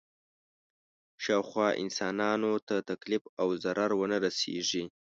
شاوخوا انسانانو ته تکلیف او ضرر ونه رسېږي.